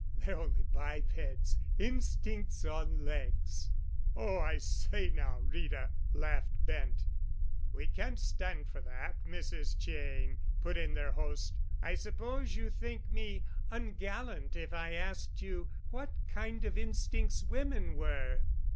They're only bipeds, instincts on legs——" "Oh, I say now, Rita," laughed Bent. "We can't stand for that, Mrs. Cheyne," put in their host. "I suppose you'd think me ungallant if I asked you what kind of instincts women were."